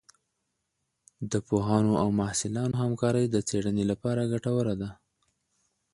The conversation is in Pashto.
د پوهانو او محصلانو همکارۍ د څېړنې لپاره ګټوره ده.